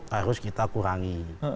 harus kita kurangi